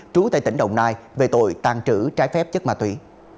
trú tại tỉnh đồng nai về tội tàng trữ trái phép chất ma túy